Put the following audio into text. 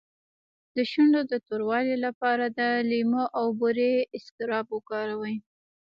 د شونډو د توروالي لپاره د لیمو او بورې اسکراب وکاروئ